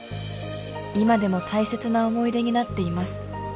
「今でも大切な思い出になっています」